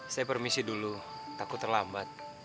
saya permisi dulu takut terlambat